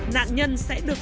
nạn nhân sẽ được giải quyết